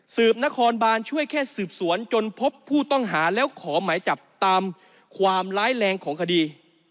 นครบานช่วยแค่สืบสวนจนพบผู้ต้องหาแล้วขอหมายจับตามความร้ายแรงของคดี